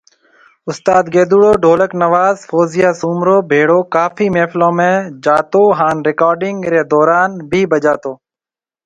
استاد گيدُوڙو ڍولڪ نواز فوزيا سومرو ڀيڙو ڪافي محفلون ۾ جاتو هان رڪارڊنگ ري دوران بِي بجاتو